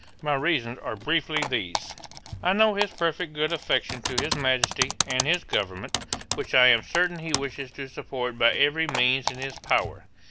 My reasons are briefly these: 'I know his perfect good affection to his Majesty, and his government, which I am certain he wishes to support by every means in his power.